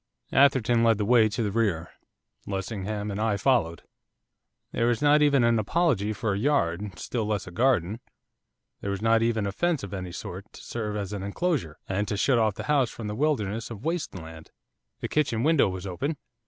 Atherton led the way to the rear. Lessingham and I followed. There was not even an apology for a yard, still less a garden, there was not even a fence of any sort, to serve as an enclosure, and to shut off the house from the wilderness of waste land. The kitchen window was open.